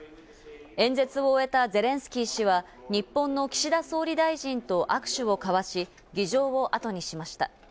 演説を終えたゼレンスキー氏は、日本の岸田総理大臣と握手を交わし、議場をあとにしました。